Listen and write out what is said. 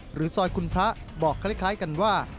หรือซอยคุณพระบอกคล้ายกันว่า